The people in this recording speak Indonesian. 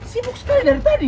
sibuk sekali dari tadi